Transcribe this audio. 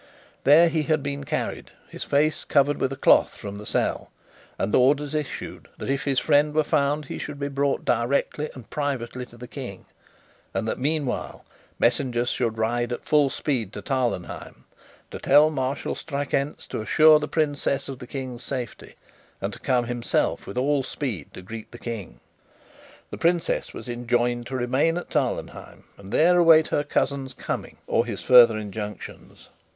There he had been carried, his face covered with a cloak, from the cell; and thence orders issued, that if his friend were found, he should be brought directly and privately to the King, and that meanwhile messengers should ride at full speed to Tarlenheim, to tell Marshall Strakencz to assure the princess of the King's safety and to come himself with all speed to greet the King. The princess was enjoined to remain at Tarlenheim, and there await her cousin's coming or his further injunctions.